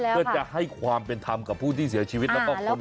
เพื่อจะให้ความเป็นธรรมกับผู้ที่เสียชีวิตแล้วก็คน